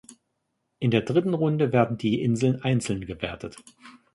In der dritten Runde werden die Inseln einzeln gewertet.